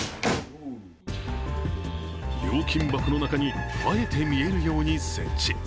料金箱の中にあえて見えるように設置。